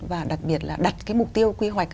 và đặc biệt là đặt cái mục tiêu quy hoạch